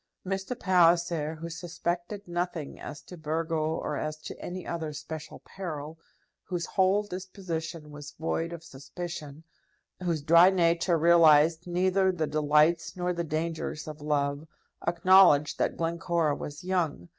Mr. Palliser, who suspected nothing as to Burgo or as to any other special peril, whose whole disposition was void of suspicion, whose dry nature realized neither the delights nor the dangers of love, acknowledged that Glencora was young.